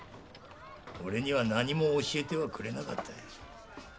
俺には何も教えてはくれなかった。